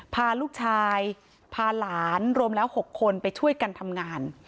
พาลูกชายพาหลานรวมแล้ว๖คนไปช่วยกันทำงาน